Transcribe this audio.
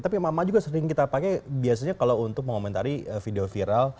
tapi emak emak juga sering kita pakai biasanya kalau untuk mengomentari video viral